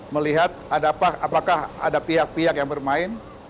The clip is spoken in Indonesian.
melihat apakah ada pihak pihak yang bermain